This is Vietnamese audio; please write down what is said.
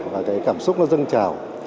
và cái cảm xúc nó dâng trào